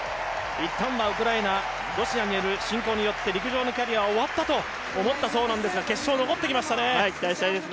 いったんはウクライナ、ロシアによる侵攻によって陸上のキャリアは終わったと思ったそうなんですが決勝に残ってきましたね。